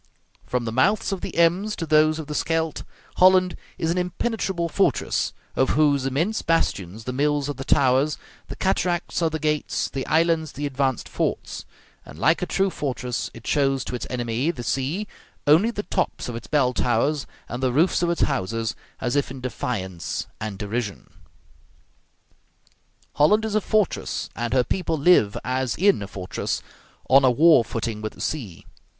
From the mouths of the Ems to those of the Scheldt, Holland is an impenetrable fortress, of whose immense bastions the mills are the towers, the cataracts are the gates, the islands the advanced forts; and like a true fortress, it shows to its enemy, the sea, only the tops of its bell towers and the roofs of its houses, as if in defiance and derision. Holland is a fortress, and her people live as in a fortress, on a war footing with the sea.